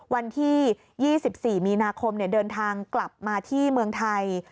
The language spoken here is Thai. วันที่๒๔มีนาคมเดินทางกลับมาที่เมืองไทย